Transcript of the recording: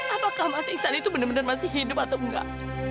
apakah mas isan itu benar benar masih hidup atau enggak